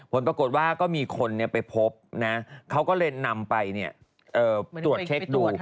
ผลปรากฏว่าก็มีคนไปพบนะเขาก็เลยนำไปตรวจเช็คดู